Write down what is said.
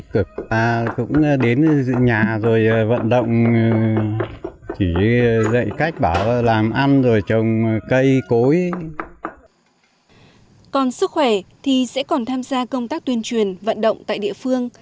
còn sức khỏe thì sẽ còn tham gia công tác tuyên truyền vận động tại địa phương